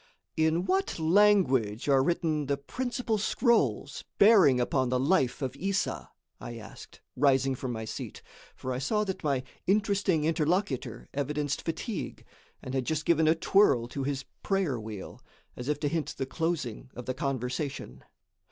"In what language are written the principal scrolls bearing upon the life of Issa?" I asked, rising from my seat, for I saw that my interesting interlocutor evidenced fatigue, and had just given a twirl to his prayer wheel, as if to hint the closing of the conversation.